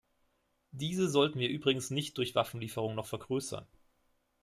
Diese sollten wir übrigens nicht durch Waffenlieferung noch vergrößern.